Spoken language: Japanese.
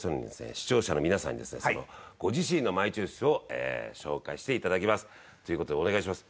視聴者の皆さんにですねそのご自身のマイチョイスを紹介して頂きます。という事でお願いします。